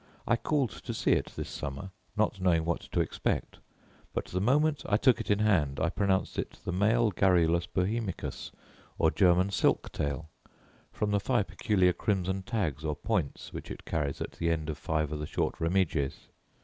I called to see it this summer, not knowing what to expect: but, the moment I took it in hand, I pronounced it the male garrulus bohemicus or German silk tail, from the five peculiar crimson tags or points which it carries at the end of five of the short remiges.